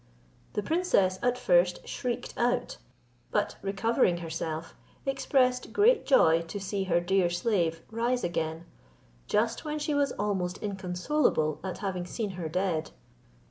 The princess at first shrieked out, but recovering herself, expressed great joy to see her dear slave rise again, just when she was almost inconsolable at having seen her dead.